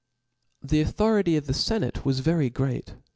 p. The auhority of the fenate was very great.